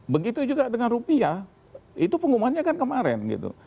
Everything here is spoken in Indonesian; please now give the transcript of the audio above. begitu juga dengan rupiah itu pengumumannya kan kemarin gitu